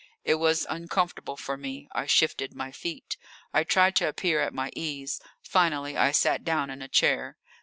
It was uncomfortable for me. I shifted my feet. I tried to appear at my ease; finally I sat down in a chair.